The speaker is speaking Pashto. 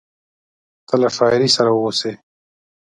ته له شاعري سره واوسې…